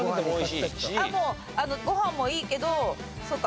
ご飯もいいけどそっか。